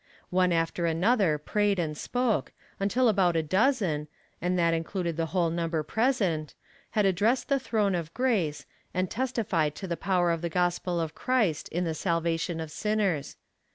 One after another prayed and spoke, until about a dozen and that included the whole number present had addressed the Throne of Grace, and testified to the power of the Gospel of Christ in the salvation of sinners.